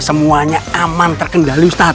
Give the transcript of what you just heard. semuanya aman terkendali ustadz